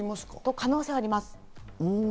可能性はあります。